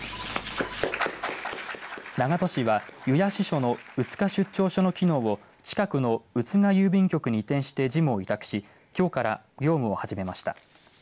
長門市は油谷支所の宇津賀出張所の機能を近くの宇津賀郵便局に移転して事務を委託しきょうから業務を始めました。